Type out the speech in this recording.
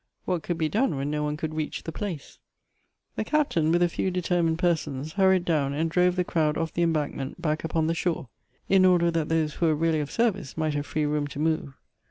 What could be done when no one could reach the place ? The Captain, with a few determined persons, hurried down and drove the crowd off the embankment back upon the shore ; in order that those who were really of service might have free room to move.